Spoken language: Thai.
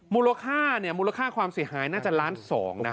มูลค่าเนี่ยมูลค่าความเสียหายน่าจะล้านสองนะ